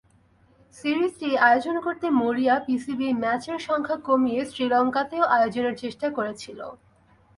সিরিজটি আয়োজন করতে মরিয়া পিসিবি ম্যাচের সংখ্যা কমিয়ে শ্রীলঙ্কাতেও আয়োজনের চেষ্টা করেছিল।